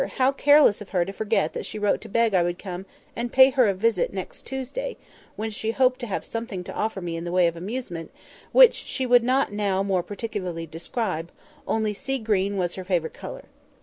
how careless of her to forget that she wrote to beg I would come and pay her a visit next Tuesday; when she hoped to have something to offer me in the way of amusement, which she would not now more particularly describe, only sea green was her favourite colour.